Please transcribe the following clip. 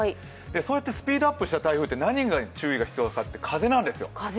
そうやってスピードアップした台風って何に注意が必要かって風なんですよ。